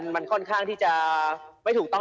มันค่อนข้างที่จะไม่ถูกต้อง